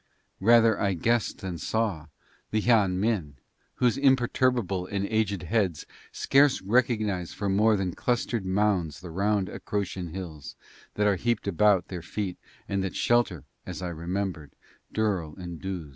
Rather I guessed than saw the Hian Min whose imperturbable and aged heads scarce recognize for more than clustered mounds the round Acroctian hills, that are heaped about their feet and that shelter, as I remembered, Durl and Duz.